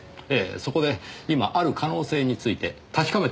そこで今ある可能性について確かめてもらっています。